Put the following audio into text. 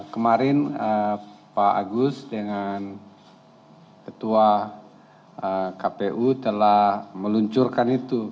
kemarin pak agus dengan ketua kpu telah meluncurkan itu